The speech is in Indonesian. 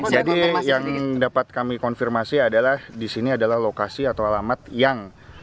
jadi yang dapat kami konfirmasi adalah disini adalah lokasi atau alamat yang